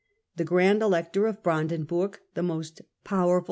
The Grand Elector of Brandenburg, the most powerful